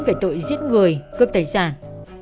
về tội giết người cướp tài sản